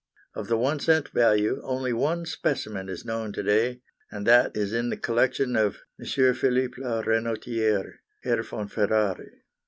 Of the 1 c. value only one specimen is known to day, and that is in the collection of M. Philipp la Renotiérè (Herr von Ferrary).